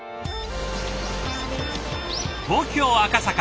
東京・赤坂。